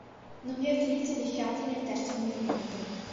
Non vi è utilizzo dei fiati nel terzo movimento.